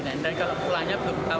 tapi kalau pulangnya belum tahu